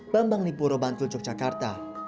bambang lipuro bantul yogyakarta